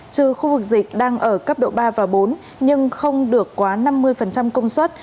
trừ khu vực dịch đang ở cấp độ ba và bốn nhưng không được quá năm mươi công suất